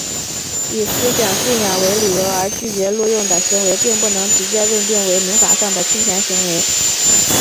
以思想信仰为理由而拒绝录用的行为并不能直接认定为民法上的侵权行为。